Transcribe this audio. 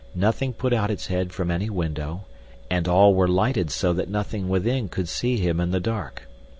Nothing put out its head from any window, and all were lighted so that nothing within could see him in the dark.